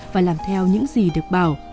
và làm theo những gì được bảo